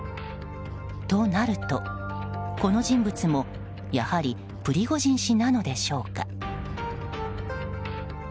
となるとこの人物も、やはりプリゴジン氏なのでしょうか。